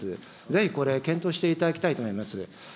ぜひこれ、検討していただきたいと思います。